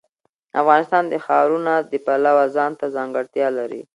افغانستان د ښارونه د پلوه ځانته ځانګړتیا لري.